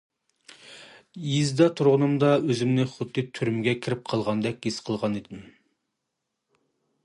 يېزىدا تۇرغىنىمدا ئۆزۈمنى خۇددى تۈرمىگە كىرىپ قالغاندەك ھېس قىلغانىدىم.